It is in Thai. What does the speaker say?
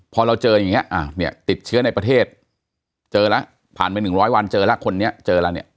พอเราเจออย่างนี้เนี่ยติดเชื้อในประเทศเจอแล้วผ่านไป๑๐๐วันเจอแล้วคนนี้เจอแล้วเนี่ย